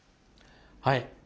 はい。